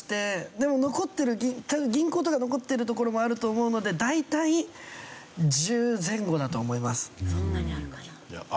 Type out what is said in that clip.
でも残ってる銀行とか残ってる所もあると思うので大体１０前後だと思います。